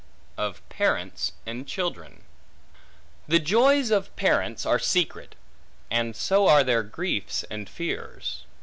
Of Parents And Children THE joys of parents are secret; and so are their griefs and fears.